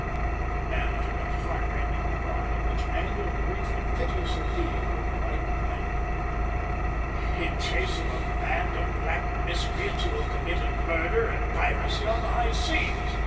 The man uttered a heart rending cry, in which anger, grief and piteous appeal were alike blended. "In chase of a band of black miscreants who have committed murder and piracy on the high seas!"